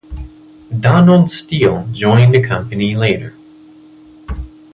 Donald Steel joined the company later.